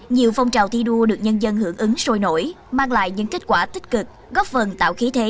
nhiều phong trào thi đua được nhân dân hưởng ứng sôi nổi mang lại những kết quả tích cực góp phần tạo khí thế